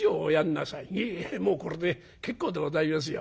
「いえいえもうこれで結構でございますよ。